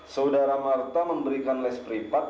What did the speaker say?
saudara marta memberikan less pripat